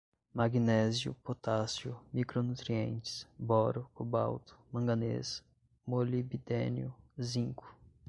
magnésio, potássio, micronutrientes, boro, cobalto, manganês, molibdênio, zinco